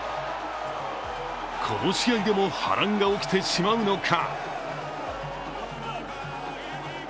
この試合でも波乱が起きてしまうのか